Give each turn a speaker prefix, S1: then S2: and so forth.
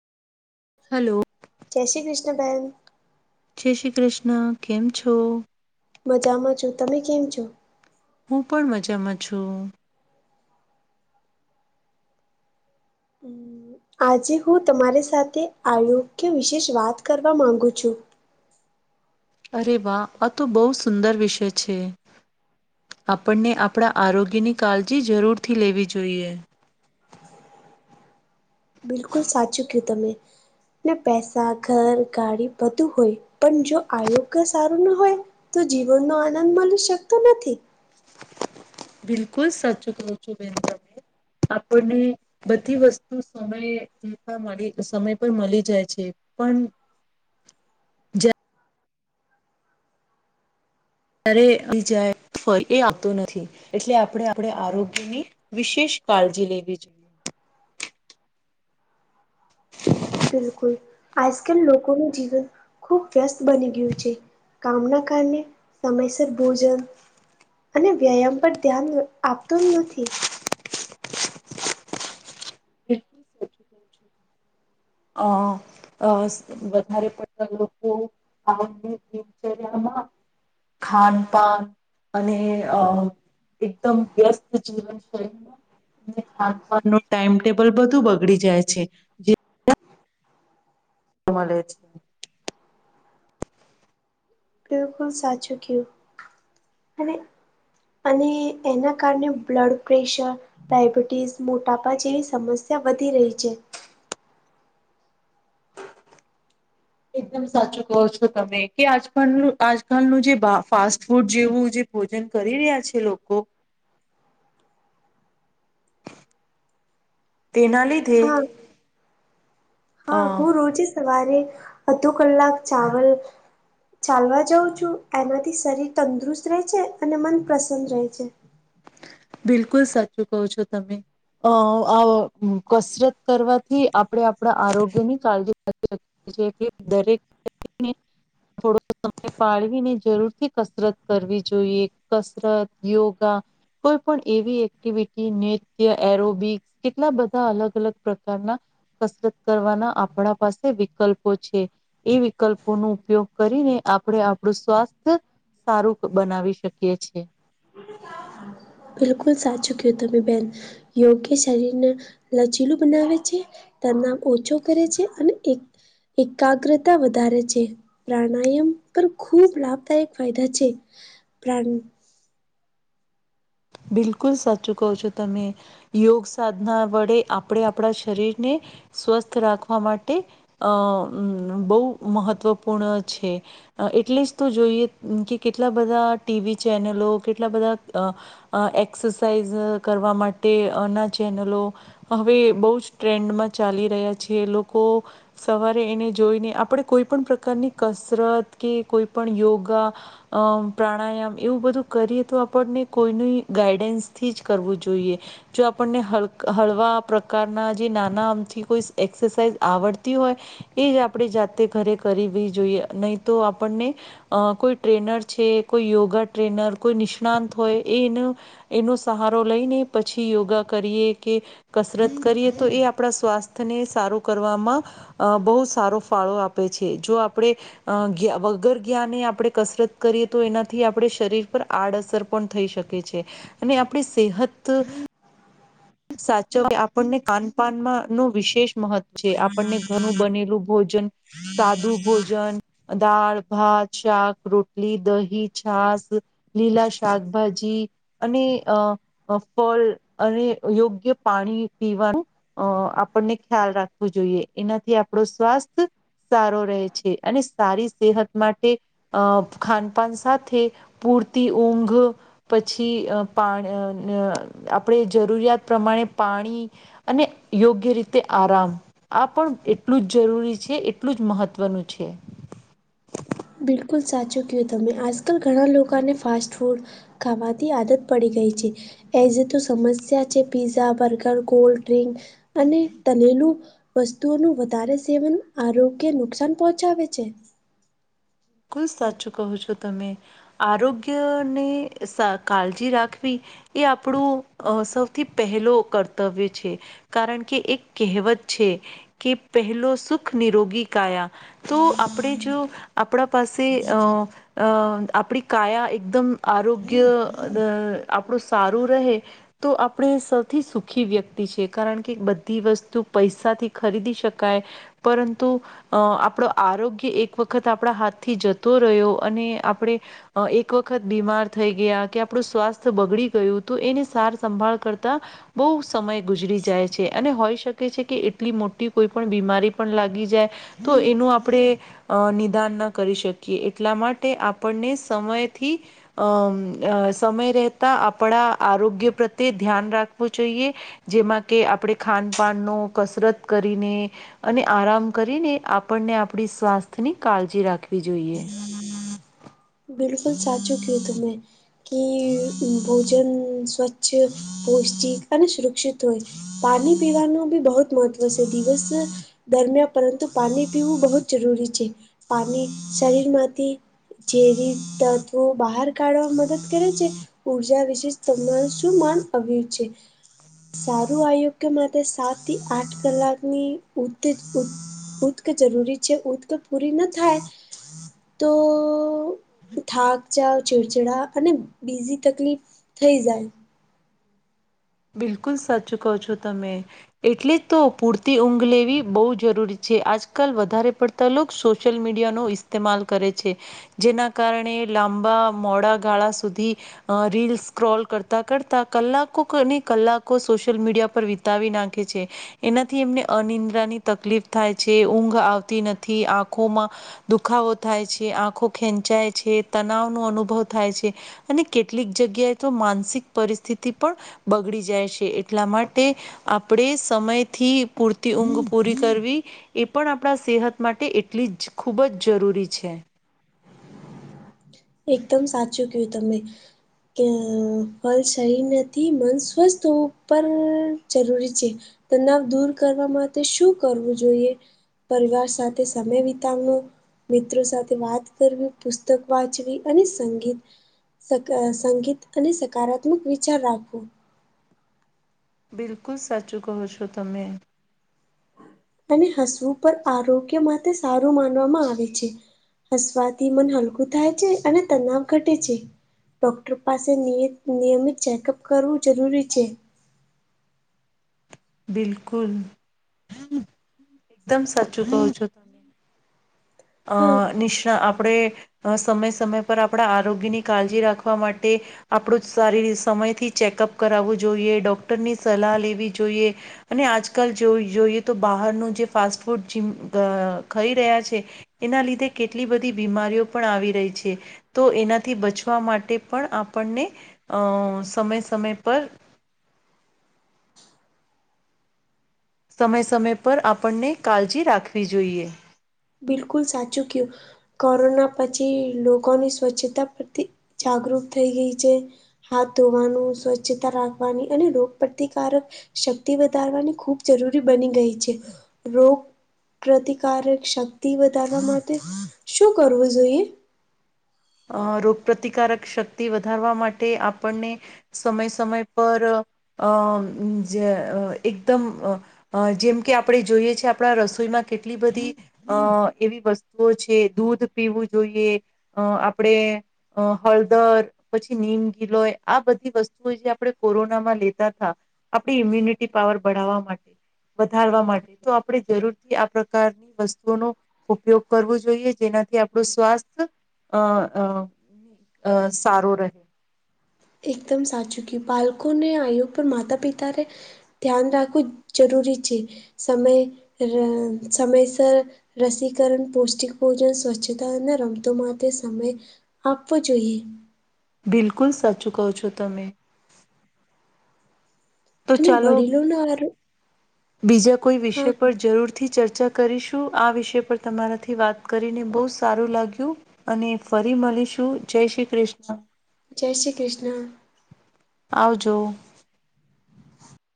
S1: Hello.
S2: જય શ્રી કૃષ્ણ બેેન.
S1: જય શ્રી કૃષ્ણ. કેમ છો?
S2: મજામાં છું. તમે કેમ છો?
S1: હું પણ મજામાં છું.
S2: આજે હું તમારી સાથે આયોગ્ય વિશેષ વાત કરવા માગું છું.
S1: અરે વાહ! આ તો બહુ સુંદર વિષય છે. આપણને આપણા આરોગ્યની કાળજી જરૂરથી લેવી જોઈએ.
S2: બિલકુલ સાચું કયું તમે. ને પૈસા, ઘર, ગાડી બધું હોય. પણ જો આયોગ્ય સારું ના હોય તો જીવન નો આનંદ મલી શકતો નથી.
S1: બિલકુલ સાચું કહો છો બેન તમે આપણને બધી વસ્તુ સમય મળી સમય પર મળી જાય છે. પણ જ્યારે બી જાય એ આવતો નથી. એટલે આપણે આપણે આરોગ્યની વિશેષ કાળજી લેવી જોઈએ.
S2: બિલકુલ આજકાલ લોકોનું જીવન ખુબ વ્યસ્ત બની ગયું છે. કામના કારને સમયસર ભોજન અને વ્યાયામ પર ધ્યાન આપતું જ નથી.
S1: બિલકુલ સાચું કહો છો. અ અસ વધારે પડતા લોકો દિનચર્યામાં ખાનપાન અને અ એકદમ વ્યસ્ત જીવનશૈલીમાં ખાાન પાન નો ટાઈમટેબલ બધું બગડી જાય છે. તો મલે છે.
S2: બિલકુલ સાચું કયું અને અને એના કારણે બ્લડ પ્રેશર ડાયબિટીસ, મોટાપા જેવી સમસ્યા વધી રહી છે.
S1: એકદમ સાચું કહો છો તમે. કે આજકાલનું આજકાલનું જે ફાસ્ટ ફૂડ જેવું જે ભોજન કરી રહ્યા છે લોકો તેના લીધે
S2: હા
S1: અ
S2: હા હું રોજે સવારે અડધો કલાક ચાવલ ચાલવા જાઉં છું. એનાથી શરીર તંદુરસ્ત રહે છે. અને મન પ્રસન્ન રહે છે.
S1: બિલકુલ સાચું કહો છો તમે. અ આ કસરત કરવાથી આપણે આપણા આરોગ્ય ની કાળજીએ જે કે દરેક [unintelligible] થોડો સમય પાળવીને જરૂર થી કસરત કરવી જોઈએ. કસરત, યોગા કોઈ પણ એવી એક્ટિવિટી નિત્ય એરોબિક્સ કેટલા બધા અલગ અલગ પ્રકારના કસરત કરવાના આપણા પાસે વિકલ્પો છે એ વિકલ્પો ન ઉપયોગ કરીને આપણે આપણું સ્વાસ્થ્ય સારું બનાવી શકીએ છે
S2: બિલકુલ સાચું કું તમે બેન યોગ કે શરીરને લચીલું બનાવે છે તનામ ઓછો કરે છે અને એક એકાગ્રતા વધારે છે પ્રાણાયામ પર ખૂબ લાભદાયક ફાયદા છે પ્ર
S1: બિલકુલ સાચું કહો છો તમે યોગ સાધના વડે આપણે આપણા શરીરને સ્વસ્થ રાખવા માટે અ બહુ મહત્વપૂર્ણ છે એટલે જ તો જોઈએ કે કેટલા બધા ટીવી ચેનલો કેટલા બધા એક્સરસાઇઝ કરવા માટેના ચેનલો હવે બહુ જ ટ્રેન્ડમાં ચાલી રહ્યા છે લોકો સવારે એને જોઈને આપણે કોઈ પણ પ્રકારની કસરત કે કોઈ પણ યોગા અમ પ્રાણાયામ એવું બધું કરીએ તો આપણને કોઈ ન ગાઈડન્સથી જ કરવું જોઈએ જો આપણને હ હળવા પ્રકારના જે નાના આમથી કોઈ એક્સરસાઇઝ આવડતી હોય એ જ આપણેે જાતે ઘરે કરવી જોઈએ નહી તો આપણને અ કોઈ ટ્રેનર છે કોઈ યોગા ટ્રેનર કોઈ નિષ્ણાત હોય એનું એનો સહારો લઈને પછી યોગા કરીએ કે કસરત કરીએ તો એ આપણા સ્વાસ્થ્યને સારું કરવામાં અ બહુ સારો ફાળો આપે છે. જો આપણે અ વગર જ્ઞાને આપણે કસરત કરીએ તો એનાથી આપણે શરીર પર આડઅસર પણ થઈ શકે છે. અને આપણી સેહત સાચો કે આપણને ખાનપાનમાં નો વિશેષ મહત્વ છે આપણને ઘરનું બનેલું ભોજન, સાદું ભોજન દાળ, ભાત, શાક, રોટલી, દહી, છાસ. લીલા શાકભાજી અને અ ફળ અને યોગ્ય પાણી પીવાનું અ આપણને ખ્યાલ રાખવો જોઈએ એનાથી આપણો સ્વાસ્થ્ય સારો રહે છે. અને સારી સેહત માટે અ ખાનપાન સાથે પૂરતી ઊંઘ પછી પાણી આપણે જરૂરિયાત પ્રમાણે પાણી અને યોગ્ય રીતે આરામ આ પણ એટલું જ જરૂરી છે એટલું જ મહત્વનું છે.
S2: બિલકુલ સાચું કું તમે આજકાલ ઘણા લોકોને ફાસ્ટ ફૂડ ખાવાથી આદત પડી ગઈ છે એઝ તો સમસ્યા છે. પીઝા બર્ગર કોલ્ડ અને તળેલું વસ્તુઓ ન વધારે સેવન આરોગ્ય નુકસાન પહોંચાડે છે.
S1: બિલકુલ સાચું કહો છો તમે આરોગ્યની કાળજી રાખવી એ આપણું અ સૌથી પહેલો કર્તવ્ય છે. કારણ કે એક કહેવત છે. કે પહેલો સુખ નિરોગી કાયા તો આપણે જો આપણા પાસે અ અ આપણી કાયા એકદમ આરોગ્ય અ આપણું સારું રહે તો આપણે સૌથી સુખી વ્યક્તિ છે. કારણ કે બધી વસ્તુ પૈસાથી ખરીદી શકાય પરંતુ અ આપણો આરોગ્ય એક વખત આપણા હાથ થી જતો રહ્યો અને આપણે એક વખત બીમાર થઈ ગયા કે આપણું સ્વાસ્થ્ય બગડી ગયું તો એની સાર સંંભાળ કરતા બહુ સમય ગુજરી જાય છે અને હોઈ શકે છે કે એટલી મોટી કોઈ પણ બીમારી પણ લાગી જાય. તો એનું આપણેે અ નિદાન ના કરી શકીએ એટલા માટે આપણને સમયથી અ સમય રહેતા આપણા આરોગ્ય પ્રત્યે ધ્યાન રાખવું જોઈએ. જેમાં કે આપણે ખાનપાન નો કસરત કરીને અને આરામ કરીને આપણને આપડી સ્વાસ્થ્યની કાળજી રાખવી જોઈએ.
S2: બિલકુલ સાાચું કહ્યું તુંં કે ભોજન સ્વચ્છ પૌષ્ટિક અને સુરક્ષિત હોય. પાણી પીવાનું બી બહુત મહત્વ છે. દિવસ દરમિયા પરંતુ પાણી પીવું બહુ જ જરૂરી છે. પાણી શરીરમાંથી ઝેરી તત્વો બહાર કાઢવામાં મદદ કરે છે. ઉર્જા વિશે તમાર શું માન આવ્યું છે. સારું આયોગ્ય માટે સાત થી આઠ કલાકની ઉંઘ ઉત્ક જરૂરી છે ઉત્ક પૂરી ન થાય તો થાક જાવ ચીડછેડા અને બીજી તકલીફ થઈ જાય
S1: બિલકુલ સાચું કહો છો તમે. એટલે તો પૂરતી ઊંઘ લેવી બહુ જરૂરી છે. આજકાલ વધારે પડ તોલોક સોશિયલ મીડિયાનો ઇસ્તેમાલ કરે છે. જેના કારણે લાંબા મોડા ગાળા સુધી અ રીલ સ્ક્રોલ કરતા કરતા કલાકોને કલાકો સોશિયલ મીડિયા પર વિતાવી નાખે છે. એનાથી એમને અનિદ્રાની તકલીફ થાય છે ઊંઘ આવતી નથી. આંખોમાં દુખાવો થાય છે, આંખો ખેંચાય છે, તનાવ નો અનુભવ થાય છે, અને કેટલીક જગ્યાએ તો માનસિક પરિસ્થિતિ પણ બગડી જાય છે એટલા માટે આપણેે સમય થી પૂરતી ઊંઘ પૂરી કરવી એ પણ આપણા સેહત માટે એટલી જ ખૂબ જ જરૂરી છે.
S2: એકદમ સાચું કયું તમે કે ફળ શરીર નથી મન સ્વસ્થ હોવું પણ જરૂરી છે. તનાવ દૂર કરવા માટે શું કરવું જોઈએ? પરિવાર સાથે સમય વિતાવવો મિત્રો સાથે વાત કરવી પુસ્તક વાચ ચવી અને સંગીત સ સંગીત અને સકારાત્મક વિચાર રાખવો.
S1: બિલકુલ સાચું કહો છો તમે.
S2: અને હસવું પર આરોગ્ય માટે સારું માનવામાં આવે છે. હસવાથી મન હલકું થાય છે અને તનાવ ઘટે છે. ડૉક્ટર પાસે નિયત નિયમિત ચેકઅપ કરવું જરૂરી છે.
S1: બિલકુલ. એકદમ સાચું કહો છુ. અ
S2: હા
S1: નિષ્ણા આપણે સમય સમય પર આપણા આરોગ્યની કાળજી રાખવા માટે આપણું સારી ર સમયથી ચેકઅપ કરાવવું જોઈએ ડોક્ટરની સલાહ લેવી જોઈએ. અને આજકાલ જો જોઈએ તો બહારનું જે ફાસ્ટ ફૂડ જેમ ખાઈ રહ્યા છે, એના લીધે કેટલી બધી બીમારીઓ પણ આવી રહી છે. તો એનાથી બચવા માટે પણ આપણને અ સમય સમય પર સમય સમય પર આપણને કાળજી રાખવી જોઈએ.
S2: બિલકુલ સાચું કયું. કોરોના પછી લોકોની સ્વચ્છતા પ્રતિ જાગૃત થઈ ગઈ છે. હાથ ધોવાનું સ્વચ્છતા રાખવાની અને રોગ પ્રતિકારક શક્તિ વધારવાની ખૂબ જરૂરી બની ગઈ છે, રોગ પ્રતિકારક શક્તિ વધારવા માટે શું કરવું જોઈએ?
S1: રોગપ્રતિકારક શક્તિ વધારવા માટે આપણને સમય સમય પર અ જે અ એકદમ અ અ જેમ કે આપણે જોઈએ છે, આપણા રસોઈમાં કેટલી બધી અ એવી વસ્તુઓ છે દૂધ પીવું જોઈએ અ આપણેે અ હળદર પછી નીમ ગીલોય આ બધી વસ્તુઓ જે આપણે કોરોનામાં લેતા તા આપણી ઇમ્યુનિટી પાવર બઢાવવા માટે વધારવા માટે તો આપણે જરૂર થી આ પ્રકારની વસ્તુઓનો ઉપયોગ કરવો જોઈએ જેનાથી આપણું સ્વાસ્થ અ અ અ સારો રહે.
S2: એકદમ સાચુ ક્યો બાલકો ને આઈઓ પર માતા પિતાને ધ્યાન રાખવું જ જરૂરી છે, સમય રય સમયસર રસીકરણ પૌષ્ટિક ભોજન સ્વચ્છતા અને રમતો માટે સમય આપવો જોઈએ.
S1: બિલકુલ સાચું કહો છો તમે. તો
S2: અને
S1: ચાલો
S2: વડીલોના આરો
S1: બીજા કોઈ
S2: હા
S1: વિષય પર જરૂર થી ચર્ચા કરીશું આ વિષય પર તમારાથી વાત કરીને બહુ સારું લાગ્યું. અને ફરી મલી શું જય શ્રી કૃષ્ણ.
S2: જય શ્રી કૃષ્ણ.
S1: આવજો.